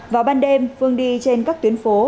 vào ban đêm phương đi trên các tuyến phố